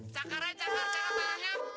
cakarannya cakar tangannya